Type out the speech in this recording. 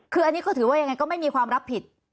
คืออันนี้ก็ถือว่ายังไงก็ไม่มีความรับผิด